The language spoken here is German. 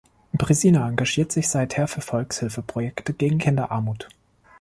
Brezina engagiert sich seither für Volkshilfe-Projekte gegen Kinderarmut.